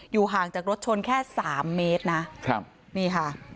ห่างจากรถชนแค่สามเมตรนะครับนี่ค่ะ